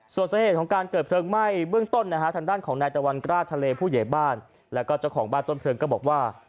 ส่วนสาเหตุของการเกิดเพลิงไหม้เบื้องต้นนะฮะทางด้านของนายตะวันกล้าทะเลผู้ใหญ่บ้านแล้วก็เจ้าของบ้านต้นเพลิงก็บอกว่า